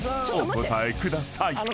お答えください］